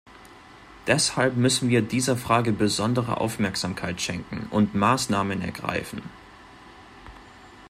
Deshalb müssen wir dieser Frage besondere Aufmerksamkeit schenken und Maßnahmen ergreifen.